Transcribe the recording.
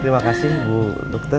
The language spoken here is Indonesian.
terima kasih bu dokter